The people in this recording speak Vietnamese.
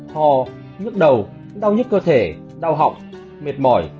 ho nhức đầu đau nhất cơ thể đau họng mệt mỏi